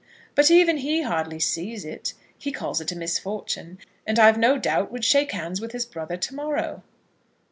But even he hardly sees it. He calls it a misfortune, and I've no doubt would shake hands with his brother to morrow."